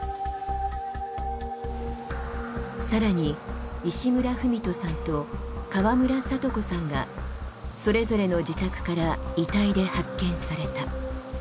さらに石村文人さんと河村聡子さんがそれぞれの自宅から遺体で発見された。